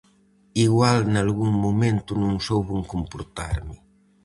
Igual nalgún momento non souben comportarme.